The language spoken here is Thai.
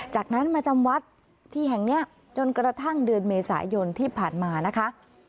จากนั้นมาจำวัดที่แห่งนี้จนกระทั่งเดือนเมษายนที่ผ่านมานะคะ